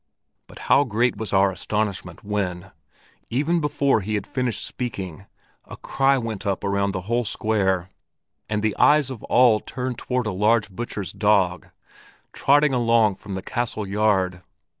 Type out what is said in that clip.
But how great was our astonishment when, even before he had finished speaking, a cry went up around the whole square, and the eyes of all turned toward a large butcher's dog trotting along from the castle yard.